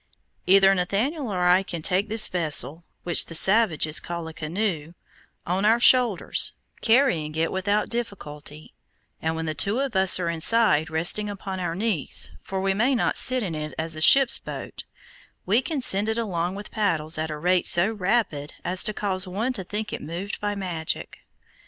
Either Nathaniel or I can take this vessel, which the savages call a canoe, on our shoulders, carrying it without difficulty, and when the two of us are inside, resting upon our knees, for we may not sit in it as in a ship's boat, we can send it along with paddles at a rate so rapid as to cause one to think it moved by magic.